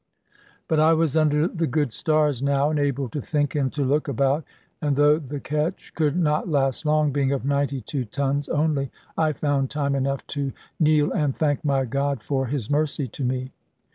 But I was under the good stars now, and able to think and to look about; and though the ketch could not last long, being of 92 tons only, I found time enough to kneel and thank my God for His mercy to me.